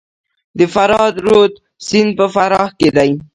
د فرا رود سیند په فراه کې دی